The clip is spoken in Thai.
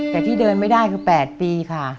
แต่ที่เดินไม่ได้คือ๘ปีค่ะ